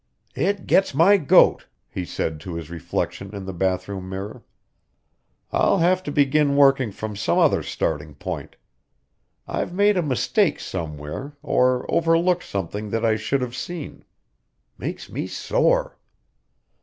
"It gets my goat!" he said to his reflection in the bathroom mirror. "I'll have to begin working from some other starting point. I've made a mistake somewhere, or overlooked something that I should have seen. Makes me sore!"